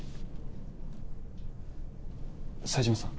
冴島さん。